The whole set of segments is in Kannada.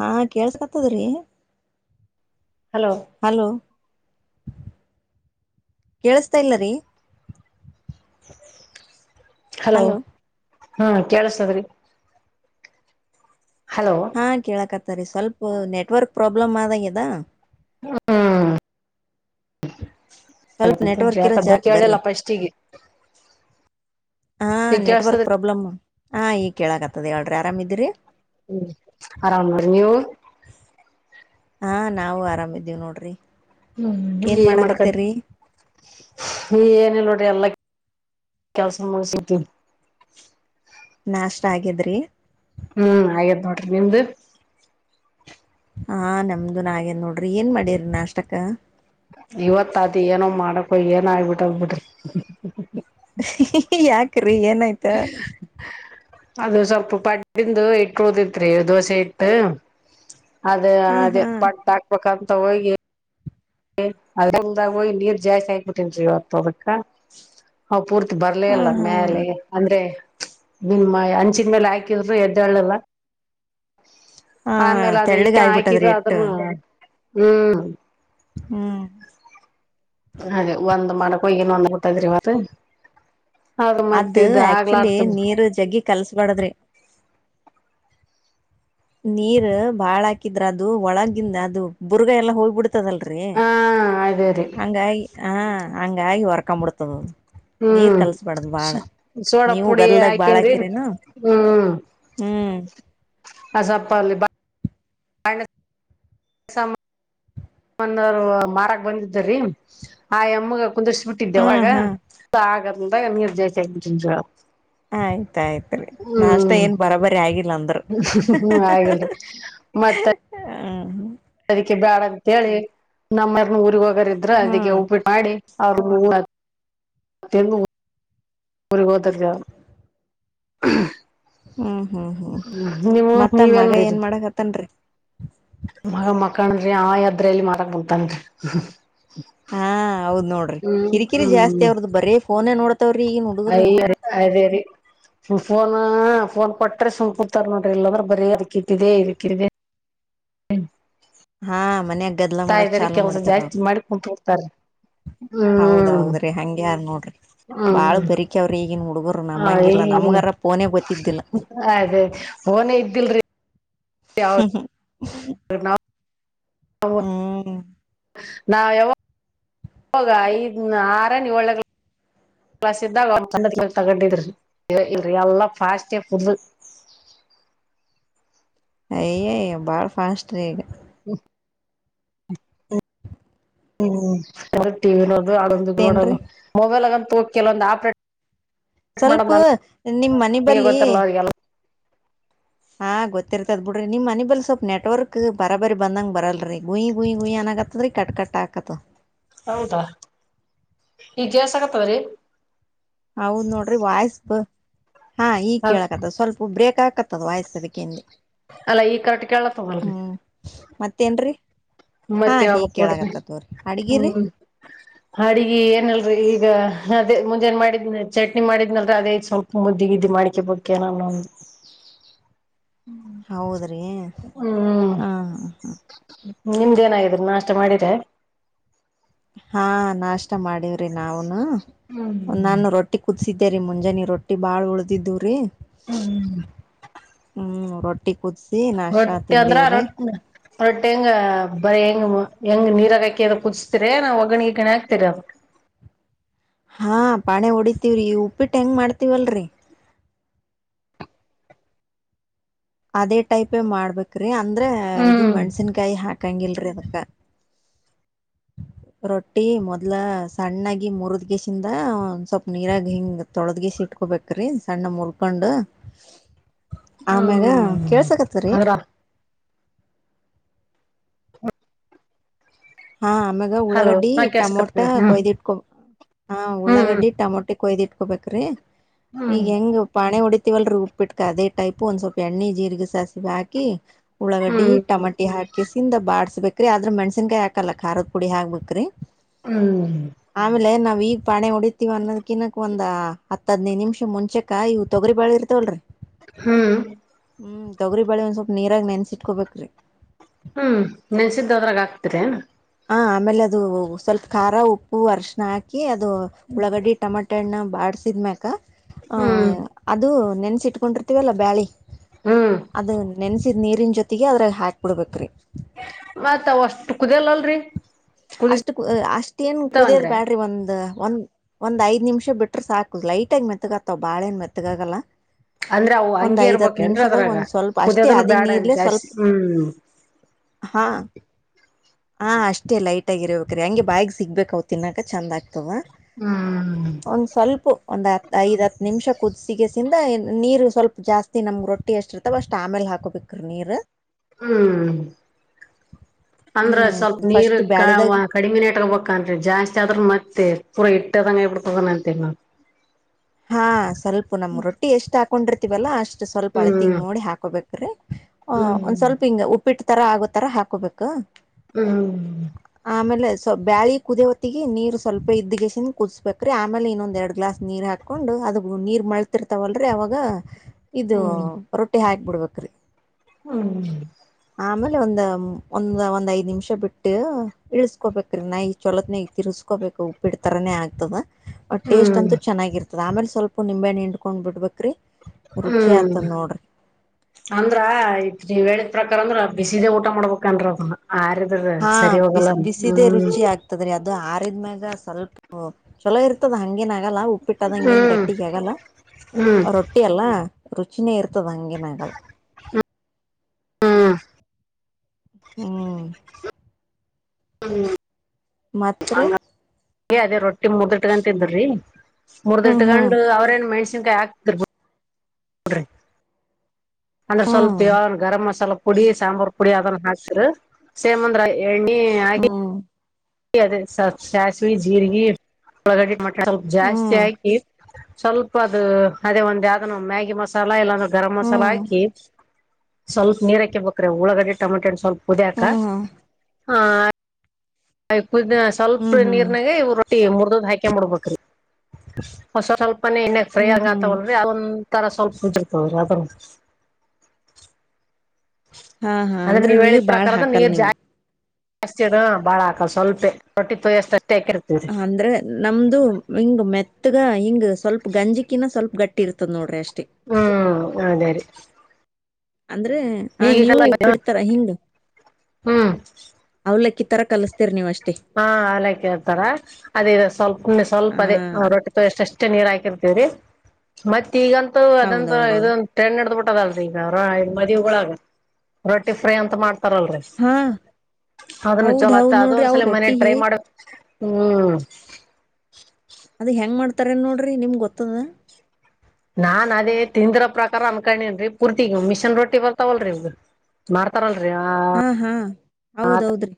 ಹಾ ಕೇೇಳಸತದ್ರಿ ಹಲೋ ಹಲೋ ಕೇಳಸ್ತಾಲ್ಲರಿೀ ಹಲೋ ಹಾ ಕೇಳಸದ್ರಿ ಹಾ ಕೇಳಕತ್ತರಿೀ ಸ್ವಲ್ಪ ನೆಟ್ವರ್ಕ್ ಪ್ರಾಬ್ಲಮ್ ಆದಂಗದ ಹ್ಮ ಸ್ವಲ್ಪ ನೆಟ್ವರ್ಕ್ ಇರೋ ಯಾಕದ ಜಾಕ್ ಕೇಳಿಲ್ಲ ಬರ್ರಿ ಫಸ್ಟಿಗೆ ಹಾ ಈಗ ನೆಟ್ವರ್ಕ್ ಕೇಳಸ್ತದ್ರಿ ಪ್ರಾಬ್ಲಮ ಹ ಈಗ ಕೇಳಕತ್ತದ ಹೇಳ್ರಿ ಆರಾಮ್ಿದಿರಿ ಹ್ಮ್ ಆರಾಮ್ರೀ ನೀವು ಹಾ ನಾವು ಆರಾಮಿದ್ದೀವ್ ನೋಡ್ರಿ ಹ್ಮ್ ಏನ್ ಮಾಡಕ ಏನಲ್ ನೋ ಎಲ್ಲ ಕೆಲಸ ಮಾಡ ಸಿು ನಾಷ್ಟ ಆಗಿದ್ರಿ ಹ್ಮ್ ಆಯತ್ತು ನೋಟ್ರ ನೀ್ದ ಹಾ ನಮ್ದು ನ ಹಾಗೇನ್ ನೋಡ್ರಿ ಏನ್ ಮಾಡಿ್ರಿ ನಾಷ್ಟಕ್ಕ ಇವತ್ ಅದ್ ಏನೋ ಮಾಡಕೊ ಏನ ಆಗ್ಬಿಟ್ಟೋಗಬಿಟ್ರಿ ೀ ಏನಾಯ್ತ ಅದು ಸ್ವಲ್ಪ ಪಡ್ಂದು ಇಟ್ಟದಿತ್ರಿ ದೋಸೆ ಇಟ್ಟು ಅದೇ ಹ ಅದೇ ಹಾ ಪಟ್ಟ ಹಾಕ್ಬೇಕಂತ ಹೋಗಿ ದದಾಗಯಿ ನೀರ್ ಜಾಯಸ್ ಆಾಯಬಟ್ಟೇನ್ರಿ ಅತ್ ಅದಕ್ಕ ಪೂರ್ತಿ ಬರ್ಲಿ ಅಲ್ಲ ಹ ಹಾ ಮ್ಯಲೆ ಅಂದ್ರೆ ನಿಮ್ಮ ಅಂಚಿನ ಮೇಲೆ ಹಾಕಿದರು ಎದ್ದಳ್ಳಲ್ಲ ಹ ಆಮೇಲೆ ಅದು ತೆಳ್ಳಗ ಇಟ್ಟ ಹಾಕಿದ ಆಗ್ಬಿಟ್ಟದ್ರಿ ಇಟ್ಟು ಆದದ್ರೂ ಹ್ಮ್ ಹ್ಮ್ ಅದೇ ಒಂದ್ ಮಾಡಕ್ ಹಗಿನ್ ಒಂದ್ ಗತದ್ರಿ ಮತ್ ಅದ ಆಕ್ಚುಲಿ ನೀರು ಜಗಿ ಕಲ್ಸ್ಬಾಡದ್ರಿ ನೀರ್ ಬಾಳ ಹಾಕಿದ್ರ ಅದು ಒಳಗಿಂದ ಅದು ಬುರ್ಗ ಎಲ್ಲಾ ಹೋಗ್ಬಿಡ್ತ ತದಲ್ರಿ ಹಾ ಅದೇ ರೀ ಹಂಗಾಗಿ ಹ ಹಂಗಾಗಿ ಹೊರ್ಕಾಂಬಡ್ತದ ನೀರ್ ಹ್ಮ್ ಕಲ್ಸಬಡ್ದ್ ಬಾಳ ಸೋಡಾ ನೀವು ಪುಡಿ ಗಲ್ದಾಗ ಬಾಳ್ ಹಾಕೇನ್ರಿ ಹಾಕಿರನ ಹ್ಮ್ ಹ್ಮ್ ಹಸಪ್ಪಲ್ಲಿಿ ಬ ಹಸ ಂದರು ಮಾರಕ್ ಬಂದಿದ್ರೀ ಆ ಎಮ್ಮಗೆ ಕುಂದಷ್ಟ ಹಾ ಬಿಟ್ಟಿದ್ದೆವಾಗ ಹಾ ಆಗದ್ರಿಂದಾಗ ನೀರ್ ಜಾಸ್ತಿ ಆಗ ಆಯ್ತಾಯ್ತ್ರಿ ನಾ ಅಷ್ಟ ಏನ್ ಬರಬರಿ ಆಗಿಲ್ಲ ಅಂದ್ರ ಮತ್ತೆ ಆ ಹಾ ಅದಕ್ಕೆ ಬ್ಯಾಡ ಅಂತ ಹೇಳಿ ನಮ್ಮರ್ನ ಊರಿಗೆ ಹೋಗರ್ ಇದ್ರ ಅದಕ್ಕೆ ಹ್ಮ್ ಉಬಿಟ್ಟ ಮಾಡಿ ಅವತ್ತ [unintelligible] ಹ್ಮ ಹ್ಮ್ ಹ್ಮ್ ಹ್ಮ್ ಮತ್ತ ನೀವೇನ್ ಮಗ ಮಾಡಿರಿ ಏನ್ ಮಾಡಕ್ತ್ತನ್ರಿ ಮಗ ಮಕ್ಕನ್ ಅಂದ್ರೆ ಆ ಯದ್ರಲ್ಲಿ ಮಾರಂತನ್ರಿ ಹಾ ಹೌದ್ ನೋಡ್ರಿ ಕಿರಿಕಿರಿ ಜಾಸ್ತಿ ಅವ್ರದ್ದ ಬರೀ ಫೋನೇ ನೋಡ ಅಯ ಅದೇರಿ ಫೋನು ಹ ಫೋನ್ ಕೊಟ್ರೆ ಸಮ್ಮ ಕುತಾರ ನೋಡ್ರಿ ಇಲ್ಲದ್ರ ಬರೀ ಅಕಿತಿದೆ ಇದಕ್ಕಿದೆ ಹ್ಮ್ ಹಾ ಮನ್ಯಾಗ ಗದ್ಲ ಮಾಡಕ್ ಚಾಲ್ ಮಾಡ್ತಾರ ನಾ ಜಾಸ್ತಿ ಮಾಡಿ ಕುಂತ್ ಬಿಡ್ತಾರಿ ಹ್ಮ್ ಹೌದೌದ್ರಿ ಹಂಗಗೆ ಯಾರ ನೋಡ್ರಿ ಹ್ಮ್ ಬಾಳ್ ಬರಿಕ ಅವ್ರಿ ಈಗನ್ ನೋಡಿ ಹುಡುಗರು ಹ ನಮ್ಮಂಗಿಲ್ಲ ಈಗಿಲ್ಲ ನಮ್ಗಾರ ಫೋನ ಗೊತ್ತಿದ್ದಿಲ್ಲ ಅದೇ ಫೋನೇ ಇದ್ದಿಲ್ರಿ ಹ್ಮ್ ಹ್ಮ್ ಸ ನಾ ಹ್ಮ್ ನಾವ ಯಾವ ಹೋಗ ಐದ್ನ್ ಆರ ನೀ ಒಳ್ಳಗ್ ಕಲಸ್ ಇದಾಗ ಅವ ತಗೊಂಡಿದ್ರಿ ಇಲ್ರಿ ಎಲ್ಲಾ ಫಾಸ್ಟ್ ಫು [inaudible] ಅಯ್ಯಯ ಬಾಳ್ ಫಾಸ್ಟ್ ರೀ ಈಗ ಹ್ಮ್ಮ ಹ್ಮ್ಅವ ಟಿವಿ ನೋ ಅಡಂದು ಬಿಡ ಮತ್ತೇನ್ರೀ ಮೊಬೈಲ್ ಆಗಂತ ತೋಲ್ಲ ಒಂದು ಆಪ್ರೇಟ್ ಸ್ವಲ್ಪ ಮಾಡೋದು ನಿಮ್ ಮನ ನಮಗೆ ಬಲ್ಲಿ ಗೊತ್ತಿರಲ್ಲ ಅವ್ರಿಗೆಲ್ಲ ಹಾ ಗೊತ್ತಿರ್ತದ್ ಬಿಡ್ರಿ ನಿಮ್ಮ ಮನ ಬಲ್ ಸ್ವಲ್ಪ್ ನೆಟ್ವರ್ಕ್ ಬರಾ ಬಾರಿ ಬಂದಂಗ ಬರಲ್ರಿ ಗುಯಿ ಗುಯಿುಯ್ಯ ಅ ಆಗತ್ತತ್ ರೀ ಕಟ್ ಕಟ್ಟಾಕತ್ತ ಹೌದಾ ಈಗ ಕೇಳ್ಸಆಗತ್ತದ್ರೀ ಹೌದ್ ನೋಡ್ರಿ ವಾಯ್ಸ್ ಹಾ ಈಗ್ ಹ ಕೇಳಕದ ಸ್ವಲ್ಪ ಬ್ರೇಕ್ ಹಾಕತ್ತದ ವಾಯಸದಕ್ಕೆಿಂದೆ ಅಲ್ಲ ಈ ಕರೆಕ್ಟ್ ಕೇಳಾಕತದ ಅಲ ರಿ ಮತ್ತೇನ್ರೀ ಹಾ ಮತ್ತೆ ಈಗ್ ಯಕ್ಡಿ ಕೇಳಾಗತ್ತದ ತೋರಿ ಅಡ್ಗಿರಿ ಹ್ಮ್ ಅಡಿಗೆ ಏನಲ್ರಿ ಈಗ ಅದೇ ಮುಂಜೆನ್ ಮಾಡಿದ್ ಚಟ್ನಿ ಮಾಡಿದ್ನಲ್ ಅದೇ ಸ್ವಲ್ಪ ಮುದ್ದಗಿದ್ದು ಮಾಡಿಕೆ ಬೇನನ್ನೊಂದು [inaudible] ಹೌದ್ರಿ ಹಾ ಹಾ ಹಾ ನಿಮ್ದ ಏನಿದ ನಾಷ್ಟ ಮಾಡ್ರ ಹಾ ನಾಷ್ಟ ಮಾಡವ್ರಿ ನಾವನು ಒ ಹ್ಮ್ ನಾನು ರೊಟ್ಟಿ ಕುದಸಿದ ಸರಿ ಮುಂಜಾನೆ ರೊಟ್ಟಿ ಭಾಳ ಉಳ್ದಿದ್ದವು ರೀ ಹ್ಮ್ ಹ್ಮ್ ರೊಟ್ಟಿ ಕುದಸಿ ನಾಷ್ಟಾ ರೊಟ್ಟಿ ಅಂದ್ರ ತಿಂದೇವ್ರಿ ರೊಟ್ಟಿ ರೊಟ್ಟಿ ಹೆಂಗ ಬರಿ ಹೆಂಗ ಹೆಂಗ್ ನೀರಾಗಾಕಿ ಅದ ಕುದಸ್ತೀರಿ ನಾವು ಒಗ್ಗಣಿ ಗಣಿಕ್ತರಿ ಅದಕ್ಕೆ ಹಾ ಪಾಣಿ ಹೊಡಿತೀವ್ರಿ ಉಪ್ಪಿಟ್ಟ ಹೆಂಗ್ ಮಾಡ್ತವಲ್ರರಿ ಅದೇ ಟೈಪ್ ಮಾಡ್ಬೇಕ್ರಿ ಅಂದ್ರ ಇದು ಹ್ಮ್ ಮೆಣ್ಸಿನ್ಕಾಯಿ ಹಾಕ್ ಕಂಗಲ್ರೆದಕ್ಕ [inaudible] ರೊಟ್ಟಿ ಮೊದ್ಲ ಸಣ್ಣಾಗಿ ಮುರದ್ಗೆಸಿಂದ ಒಂದ ಸ್ವಲ್ಪ ನೀರಾಗ ಹಿಂಗ್ ತೊಳದ್ಗೆಸಿ ಇಟ್ಕೊಬೇಕ್ರಿ ಸಣ್ಣ ಮುಲ್ಕೊಂಡ ಹ್ಮ ಕೇಳ್ಸಕತ್ತರಿ ಹಾ ಆಮ್ಯಾಗ ಹಲೋ ಉಳ್ಳಾಗಡ್ಡಿ ಹಾ ಕೇಳ್ಸಕತ್ ಟಮೊಟ ಹ್ಮ್ ಕೊಯ್ದು ಇಟ್ಕೊ ಹಾ ಹ್ಮ್ ಉಳ್ಳಾಗಡ್ಡಿ ಟಮೊಟೆ ಕೊಯ್ದ ಇಟ್ಕೊಬೇಕ್ರಿ ಹ್ಮ್ ಈಗ ಹೆಂಗ್ ಪಾಣೆ ಹೊಡ ವಲ್ರು ಉಪ್ಪಬಿಟ್ಕ ಅದೇ ಟೈಪ್ ಒಂದ್ ಸ್ವಲ್ಪ ಎಣ್ಣ ಜೀರಿಗೆ ಸಾಸಿವ ಹಾಕಿ ಉಳ್ಳಳಗಡ್ಡಿ ಹ್ಮ್ ಟಮಾಟಿ ಹಾಕಿ ಸಿಿಂದ ಬಾಸ್ಬೇಕ್ರೀ ಆದ್ರ ಮೆಣಸನ್ಕಾಯಿ ಹಾಕಿ ಹಾಲ್ಲ ಖದ ಪುಡಿ ಹಾಕ್ಬೇಕ್ರೀ ಹ್ಮ ಈಗ್ ಪಾಣೆ ಹೊಡತಿೀವ ಅನ್ನೋದ್ಕಿಿನಕ್ ಒಂದ್ ಹದಿನೈದು ನಿಮಿಷ ಮುಂಚೆಕ ಇವು ತೊಗರಿ ಬಳ ಇರ್ತವಲ್ರರಿ. ಹ್ಮ್ ಹ್ಮ್ ತೊಗರಿ ಬೇಳೆ ಒಂದ್ ಸ್ವಲ್ಪ ನೀರಾಗ ನೆನ್ಸಿಟ್ಕೋಬೇಕ ರಿ ಹ್ಮ್ ನೆನ್ಸಿದ್ದ ಅದ್ರಾಗ ಆಕ್ತಿರಿ ಹ ಆಮೇಲೆ ಅದು ಸ್ವಲ್ಪ ಖಾರ ಉಪ್ಪು ಅರ್ಶಣ ಹಾಕಿ ಅದು ಉಳ್ಳಗಡ್ಡೆ ಟಮಾಟೆ ಹಣ್ಣ ಬಾಡಸಿದ್ಮ್ಯಾಕ ಹ್ಮ್ ಅದು ನೆನ್ಸಿ ಇಟ್ಕೊಂಡಿರ್ತೀವಲ್ಲ ಬ್ಯಾಳಿ ಹ್ಮ್ ಅದ ನೆನ್ಸಿದ್ ನೀರಿನ್ ಜೊತೆಗೆ ಅದ್ರಾಗ ಹಾಕ್ ಬಿಡ್ಬೇಕ್ರಿ ಮತ್ ಅಷ್ಟು ಕುದಿಯಲ್ಲ ಅಲ್ರರಿ ಅಷ್ಟು ಅಷ್ಟೇಏನ್ ಕುದಿಯೋದ್ ಬ್ಯಾಡ್ರಿ ಒಂದ. ಒಂದ್ ಒಂದ್ ಐದ್ ನಿಮಷ ಬಿಟ್ರೆ ಸಾಕುದ್ ಲೈಟ್ ಆಗಿ ಮೆತ್ತಗಾತವ ಬಾಳೆ ಮೆತ್ತಗಾಗಲ್ಲ. ಅಂದ್ರೆ ಅವು ಒಂದ್ ಹಂಗೆ ಐದ್ ಹತ್ತು ಇರ್ಬೇಕೇನ್ರಿ ನಿಮಿಷದಾಗ ಅದ್ರಾಗ ಒಂದ್ ಸ್ವಲ್ಪ ಅಷ್ಟೇ ಕುದಿಯೋದನ್ನು ಅದಿ ಬ್ಯಾಡ ಏನ್ ನೀರ್ಲೆ ಸ್ವಲ್ಪ. ಜಾಸ್ತಿ ಹ್ಮ್ ಹಾ. ಹಾ ಅಷ್ಟೇ ಲೈಟ್ ಆಗಿರ್ಬೇಕ್ರೀ ಹಂಗೆ ಬ್ಯಗ್ ಸಿಗ್ಬೇಕ ಅವ್ ತಿನ್ನಾಕ ಚಂದ ಆಗ್ತವ. ಹ್ಮ್ ಒಂದ್ ಸ್ವಲ್ಪ ಒಂದು್ ಹತ್ತು. ಐದ ಹತ್ತು ನಿಮಿಷ ಕುದಿಸಿಿಗೆಸಿಂದ ನೀರು ಸ್ವಲ್ಪ ಜಾಸ್ತಿ ನಮ್ಗೆ ರೊಟ್ಟಿ ಅಷ್ಟಿರ್ತಾವ ಅಷ್ಟು ಆಮೇಲೆ ಹಾಕೋಬೇಕು. ಕ್ರ ನೀೀರು. ಹ್ಮ್ ಅಂದ್ರೆ ಹ್ಞೂ ಸ್ವಲ್ಪ ನೀರ್. ಫಸ್ಟ್ ಬ್ಯಾಳಿದಾಗ ಕಡಿಮೆ ನೆಟ ಬನ್ೀ ಜಾಸ್ತಿ ಆದ್ರ ಮತ್ತೆ. ಪೂರಾ ಇಟ್ಟ ತಂಗ ಇಡ್ತ ನೆಂತ. ಹಾ ಸ್ವಲ್ಪ ನಮ್ ರೊಟ್ಟಿ ಎಷ್ಟು ಹಾಕೊಂಡಿರ್ತೀವಲ್ಲಾ ಅಷ್ಟ. ಸ್ವಲ್ಪ ಅಳತಿಂಗ ಹ್ಮ್ ನೋಡಿ ಹಾಕೋಬೇಕ್ರೆ್ ಹ್ಮ್ ಒಂದ್ ಸ್ವಲ್ಪ ಹಿಂಗ ಉಪ್ಪಿಟ್ಟ. ತರ ಆಗೋತರ ಹಾಕೋಬೇಕು. ಹ್ಮ. ಆಮೇಲೆ ಸ್ ಬ್ಯಾಳಿ ಕುದಿಯ ಹೊತ್ತಿಗೆ ನೀರ್ ಸ್ವಲ್ಪ ಇದ್ಗೆಸನ್ ಕುದ್ಬೇಕ್ರೀ ಆಮೇಲೆ ಇನ್ನೊಂದ ಎರಡ್ ಗ್ಲಾಸ್ ನೀರ್ ಹಾಕ್ಿ. ಹಾಕೊಂಡು ಅದ ನೀರ್ ಮಳತಿರ್ತಾವಲ್ರ ಅವಾಗ ಇದು ರೊಟ್ಟಿ ಹಾಕಿ. [unintelligible] ಹ್ಮ್. ಆಮೇಲೆ ಒಂದ ಒಂದ್ ಒಂದ್ ಐದ್ ನಿಮಿಷ ಬಿಟ್ಟು ಇಳಸ್ಕೊಬೇಕ್ರೀ ನ ಈ ಚೊಲೋತ್ನ ತಿಕೊ. ಹಕೋಬೇಕು ಉಪ್ಪಿಡ್ತಾರಾನೇ ಆಗ್ತದ. ಟೇಸ್ಟ್ ಹ್ಮ್ ಅಂತೂ ಚೆನ್ನಾಗಿರ್ತದ ಆಮೇ. ಲೆ ಸ್ವಲ್ಪ ನಿಂಬೆಹಣಿ ಹಂಡಟ್ಕೊಂಡ್ ಬಿಡ್ಬಕ್್ರಿ ಹ್ಮ್ ಅಂದ್ರ ತ್ ನೀವ್ ಹೇಳ. ಪ್ರಕಾರ ಅಂದ್ರ ಬಿಸಿದೇ ಊಟ ಮಾಡ್ಬೇಕನ್ರದ ಆರಿದ್ರ ಹಾ ಸರಿ ಹೋಗಲ್ಲ ಹ್ಮ್. ದು ಆರಿದ್ಮ್ಯಾಗ ಸ್ವಲ್ಪ ಚಲೋ ಇರ್ತದ ಹಂಗಿನ. ಆಗಲ್ಲ ಉಪ್ಪಿಟ್ಟದಂಗ ನ್ ಹ್ಮ್ ಗಟ್ಟಿಗೆ ಆಗಲ್ಲ ಹ್ಮ್ ರೊಟ್ಟಿ ಅಲ್ಲ. ರುಚಿನೇ ಇರ್ತದ ಆಗೇನು ಆಗಲ್ಲ. ಹ್ಮ್ ಹ್ಮ್. ಹ. ಮಾತ್ರರಿ. ಒಟ್ಟಿ ಮುರ್್ಿಟ್ಕಂತಿದ್ರಿ ಹ್ಮ್ ಹ್ಮ್ ಮುರ್ದಿಟ್ಕೊಂಡು ಅವ್ರೇಏನ್ ಮೆಣ್ಸಿನ್ಕಾಯಿ ಆಕ್ತರ್. ಕೊಡ್ರಿ. ಅಂದ್ರೆ ಸ್ವಲ್ಪ ಹ್ಮ್ ಯಾವ ಗರಂ್ ಮಸಾಲಾ ಪುಡಿ ಸಾಂಬಾರ್ ಪುಡಿ ಅದನ್ನ ಹಾಕ್ರ ಸೇಮ್ ಅಂದ್ರ. ಎಣ್ಣೆ ಹಕಿ ಹ್ಮ್ ಅ ಸಸ್ವಿ ಜೀರಿಗೆ ಒಳಗಡ್ ಸ್ವಲ್ಪ ಜಾಸ್ತಿ ಹ್ಮ್ ಆಗಿ ಸ್ವಲ್ಪ ಅದು ಅದೇ ಒಂದ ಯಾವ್ದನು ಮ್ಯಾಗಿ ಮಸಾಲ ಎಲ್ಲಂದ್ರ. ಗರಂ ಹ್ಮ್ ಮಸಾಲ ಹ್ಮ್ ಹಾಕಿ ಸ್ವಲ್ಪ ನೀರಕ್ಕೆ ಬೇಕ್ರೆ ಉಳ್ಳಗಡೆ. ಟೊಮೊಟೆ ಸ್ವಲ್ಪ ಕುದಿಯಕ ಹ. ಆುದ ಸ್ವಲ್ಪ ಹ್ಮ್ ಹ್ಮ್ ಹ್ಮ್ ನೀರ್ನಾಗ ಇವ್. ಟ್ಟಿ ಮುರ್ದದ್ ಹಾಕ ಮುಡ್ಬ್ರಿ ಹೊಸ ಸ್ವಲ್ಪನೇ ಎಣ್ಣಾಗ ಫ್ರೈ ಆಗ ಹ್ಮ್ ಆತವಲ್ರಿ ಅದೊಂದ. ಸ್ವಲ್ಪ [unintelligible] ಹಾ ಹಾ ಅಂದ್ರೆ ನೀವ್ ನೀರ್ ಹೇಳಿದ ಬಾಳ್ ಪ್ರಕಾರದ ಹಾಕಲ್ ನೀರ್ ಜಾಸ್ತಿ ನೀವು. ಜಾಸ್ತಿ ಬಾಳ ಹಾಕ ಸ್ವಲ್ಪ ರೊಟ್ಟಿ ತೋಯಿಸ ಅಂದ್ರೆ ನಮ್ದು ಹಿಂಗ್ ಮೆತ್ತಗ ಹಿಂಗ್ ಸ್ವಲ್ಪ ಗಂಜಿಕಿನ ಸ್ವಲ್ಪ ಗಟ್ಟಿ ಇರ್ತದೆ ನೋ್ರಿಷ್ಟ. ಹ್ಮ್ ಅದೇ ರೀ. ಅಂದ್ರೆ ಆ ನೀವು ಈಗಲ್ಲ ಉಪ್ಪಿಡ್ತಾರ ಹಿಂಗ ಹ್ಮ್ ಅವಲಕ್ಕಿ. ತರ ಕಲಸ್ತೀರಿ ನೀವುಷ್ಟೇ. ಹಾ ಅವಲ ಕೇಳ್ತಾರ ಅದೇ ಸ್ವಲ್ಪೆ ಸ್ವಲ್ಪ ಹಾ ಅದೇ ರೊಟ್ಟಿ ತೊಷ್ಟ ಎಷ್ಟೇ ನೀರ್ ಹಾಕಿರ್ತ. ರಿ ಮತ್ತ ಈಗಂತ ಅದಂತ ಇದ ಹೌದೌದೌದು ತೆ ನಡದ ಬಿಿಟ್ಟ. ದಲ್ೀ ಈಗ ಮದಗಳಾಗ ರೊಟ್ಟಿ ಫ್ರೈ ಅಂತ ಮಾಡ್ತ. ತರಲ್ರಿ ಹಾ ಅದನ್ನು ಹೌದ್ ಚಲೋ ಆತ್ತ ಹೌದ್ ಅದ. ನೋಡ್ರಿ ಅವ್ರ ಅಲ ಮನ ಟ್ರೈ ರೊಟ್ಟಿಗೆ ಮಾಡ ಹ್ಮ್ ಈ ಥರ ನೋಡ್ರಿ ನಿಮ್ಗೆ ಗೊತ್ತದ ನಾನ್ ಅದೇ ತಿಂದಿ್ರ ಪ್ರಕಾರ ಅನ್ಕಣೇನ್ೀ ಪೂರ್ತಿಗ್ ಮಿಷನ್ ರೊಟ್ಟಿ ಬರ್ತಾವಲ್ರೀ ಇವ ಮಾಡ್ತಾರಲ್ರಿ ಆ ಹಾ ಹಾ ಹೌದೌದ್ರಿ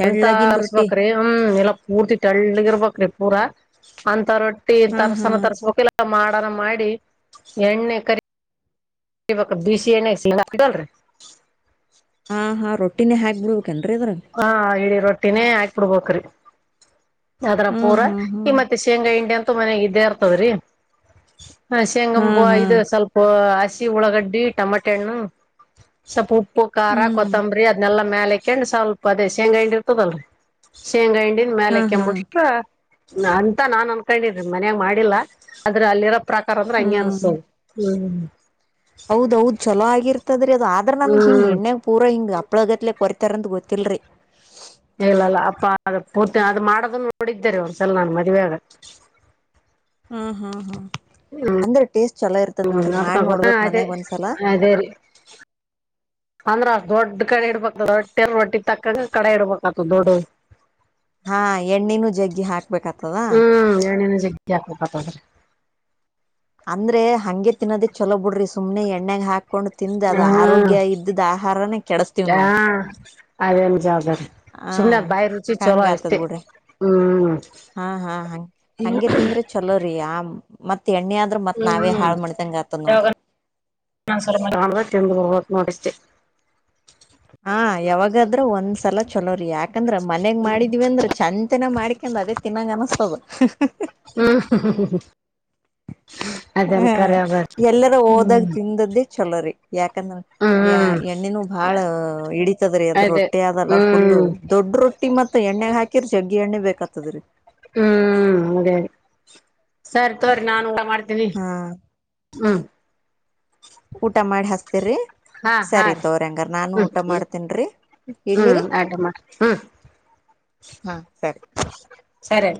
ತೆಳ್ಳಗಿನ್ ರೊಟ್ಟಿ ಅಂತರ್ಸ್ಬ್ರಿ ಹ ಇಲ್ಲ ಪೂರ್ತಿ ಟಳ್ಳ ಇರ್ಬಕ್ಿ ಪೂರಾ ಅಂತಾರ ತ್ತ ಹಾ ಹಾ ತರ್ಸನ ತರ್ಸ್ಕಕೆಲ್ಲ ಮಾಡನ ಮಾಡಿ ಎಣ್ಣೆ ಕರಿ ಇವ ಬಿಸಿ ಏನಡಲ್ರಿ ಹಾ ಹಾ ರೊಟ್ಟಿನೇ ಹಾಕ್ಬು ಹಾ ಇಡೀ ರೊಟ್ಟಿನೇ ಹ ಆಾಕ್ಬಿಡ್ಬಕ್್ರಿ ಅದ್ರ ಹ್ಮ್ ಪೂರಾ ಹ್ಮ್ ಈ ಹ್ಮ್ ಮತ್ತೆ ಶೇಂಗಾ ಹಿಂಡಿ ಅಂತೂ ಮನೆಯಾಗ ಇದೇ ಇರ್ತದ್ರಿ ಹ ಹಾ ಶೇಂಗಪ್ಪು ಹಾ ಇದು ಸ್ವಲ್ಪ ಹಸಿ ಉಳ್ಳಾಗಡ್ಡಿ ಟೊಮಾಟೆ ಹಣ್ಣು ಸ್ವಪ ಉಪ್ಪ ಪ್ಪು ಖಾರ ಹ್ಮ್ ಕೊತ್ತಂಬರಿ ಅದ್ನೆಲ್ಲ ಮೇಲೆಕಂಡ್ ಸ್ವಲ್ಪ ಅದೇ ಶೇಂಗ ಹಂಡಿ ಇರ್ತದಲ್ರೀ ಶೇಂಗ ಹಿ ಮೇಲೆ ಹಾ ಹಾ ಕೆಟ್ಟ ಅಂತ ನಾನ್ ಅನ್ಕೊಂಡಿದ್ರಿ ಮನ ಮಾಡಿಲ್ಲ ಆದ್ರೆ ಅಲ್ಲಿರ ಪ್ರಾಕಾರ ಅಂದ್ರೆ ಹಂಗಗೆ ಹ್ಮ್ ಅನ್ತು ಹ್ಮ್ ಹೌದೌದ್ ಚಲ ಆಗಿರ್ತದ್ರೀ ಅದು ಆದ್ರ ನಮಗ್ ಹಿಂಗ ಹ್ಮ್ ಎಣ್ಣೆಗ್ ಪೂರಾ ಹಂಗ ಹಪ್ಳಗತ್ಲೆ ಹೊರಿತಾರಂದು ಗೊತ್ತಿಲ್ಲರಿ ಇಲ್ಲಲ್ಲ ಅಪ್ಪ ಅದ ಪೂರ್ತಿ ಅದು ಮಾಡೋದ ನೋಡಿದ್ದರಿ ಅವ್ರಸಲ ನಾನು ಮದ್ುವೆಾಗ ಹಾಂ ಹಾಂ ಹಾಂ ಅಂದ್ರೆ ಟೇಸ್ಟ್ ಚಲ ಇರ್ತದ ಹ್ಮ್ ನೋಡ್ರಿ ಅದ್ಕ ಮಾಡ್ ಗೊತ್ತ ನೋಡ್ಬಕ್ ಅದೇ ಮನ್ಯಗ್ ಒಂದ್ಸಲ ಅದೇ ರೀ ಅಂದ್ರ ದೊಡ್ಡ ಕಡೆ ಇಡ್ಬೇಕದ ರಟ್ಟಿಯಲ್ ರೊಟ್ಟಿಗೆ ತಕ್ಕಂಗ ಕಡೆ ಇಡ್ಬತದ ದೊಡ್ಡ ಹಾ ಎಣ್ಣಿನೂ ಜಗ್ಗಿ ಹಾಕ್ಬೇಕತದ ಯಕ ಪತಾದ್ರ ಅಂದ್ರೆ ಹಂಗೆ ತಿನ್ನೋದೇ ಚಲೋ ಬಿಡ್ರಿ ಸುಮ್ನೆ ಎಣ್ಣಾಗ ಹಾಕ್ ಹಕೊಂಡು ತಿಂದ ಅದ ಹ್ಮ್ ಆರೋಗ್ಯ ಇದ್ದ್ದ ಆಹಾರಾನೇ ಕೆಡಸ್ತಿೀವ್ ಹಾ ನಾವವು ಅದೇನ್ ಜಾ್ದಾರಿ ಸುಮ್ನೆ ಬಾಯ ರುಚಿ ಚಲೋ ಅಷ್ಟೇ ಹ್ಮ್ ಹಾ ಹಾ ಹ ಹಗೆ ತಿಂದ್ರೆ ಚಲೋರಿ ಆ ಎಣ್ಣ ಆದ್ರರು ಮತ್ ನಾವೇ ಹಾಳ ಮಾಡ್ದಂಗ ಆತ್ತ ನೋಡ್ರಿ ನ ಸ ತಿಂದು ಹ ನೋಡಿಸ್ೆ ಹಾ ಯಾವಾಗಾದ್ರ ಒಂದ್ಸಲ ಚಲೋ್ರರಿ ಯಾಕಂದ್ರ ಮನ್ಗ್ ಮಾಡಿದ್ವಿ ಅಂದ್ರ ಚಂದನ ಮಾಡ ಇ ಅದೇ ತಿನ್ನಂಗ ಅನಿಸ್ತದು ಹಾ ಹಾ ಹ್ಮ ಎಲ್ಲರ ಹೋದಾಗ ತಿಂದದ್ದೇ ಚಲೋರಿೀ ಯಾಕಂದ್ರ ಯ ಹ್ಮ್ ಎಣ್ಣೆನುೂ ಬಾಳ ಇಡಿತತದ್ರೀ ಅದ್ ಅದೇ ರೊಟ್ಟಿ ಅದಲ್ಲ ಫುಲ್ು ಹ್ಮ್ ದೊಡ್ ರೊಟ್ಟಿ ಮತ್ತ ಎ್ಣೆ ಹಾಕಿರ ಚಗ್ ಎಣ್ಣೆ ಬೇಕಾಗ್ತದ ರೀ ಹ್ಮ್ ಅದೇ ಸರಿ ತೋರಿಿ ನಾನಊ ಮಾಡ ಹಾ ಹ್ಮ್ ಊಟ ಮಾಡಿ ಹಸ್ತೇರಿ ಹಾ ಹಾ ಸರಿ ರೀ ತೋ್ರಂಗಾರ ನಾನು ಹ್ಮ್ ಊಟ ಹ್ಮ್ ಮಾಡ್ತೀನ್ರಿ ಹ್ಮ್ ಇಿರಿ ಆಟ ಮಾಡ ಹ್ಮ್ ಹಾ ಸರಿ ಸರಿ